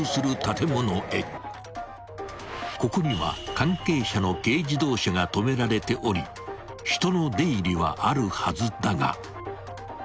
［ここには関係者の軽自動車が止められており人の出入りはあるはずだが］